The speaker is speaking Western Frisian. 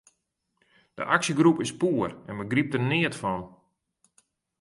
De aksjegroep is poer en begrypt der neat fan.